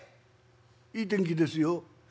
「いい天気ですよ。